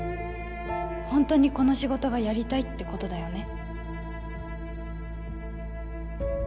ホントにこの仕事がやりたいってことだよね？